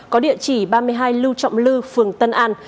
có địa chỉ ba mươi hai lưu trọng lư phường tân an